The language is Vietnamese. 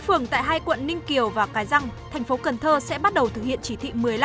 phường tại hai quận ninh kiều và cái răng thành phố cần thơ sẽ bắt đầu thực hiện chỉ thị một mươi năm